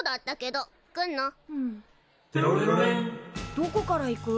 どこから行く？